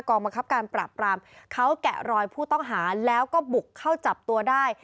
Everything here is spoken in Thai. บังคับการปราบปรามเขาแกะรอยผู้ต้องหาแล้วก็บุกเข้าจับตัวได้